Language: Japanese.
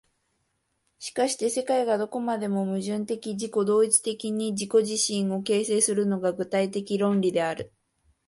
しかして世界がどこまでも矛盾的自己同一的に自己自身を形成するのが、具体的論理である。